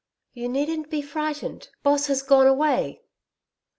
'You needn't be frightened. Boss has gone away.'